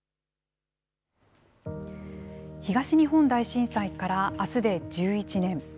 東日本大震災からあすで１１年。